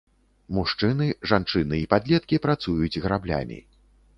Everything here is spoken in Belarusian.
Мужчыны, жанчыны і падлеткі працуюць граблямі.